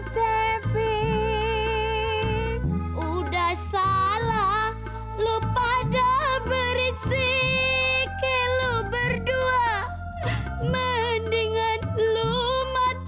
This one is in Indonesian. cepi kabur dari rumah